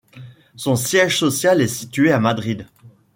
Son siège social est situé à Madrid.